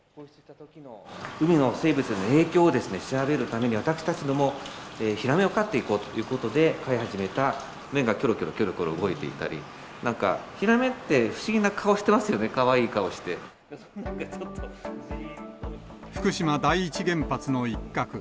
海の生物への影響をですね、調べるために、私たちもヒラメを飼っていこうということで、飼い始めた、目がきょろきょろきょろきょろ動いていたり、なんかヒラメって不思議な福島第一原発の一角。